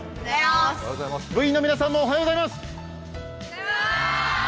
部員の皆さんもおはようございます。